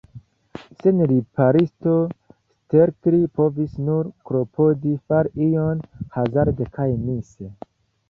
Sen riparisto, Stelkri povis nur klopodi fari ion, hazarde kaj mise.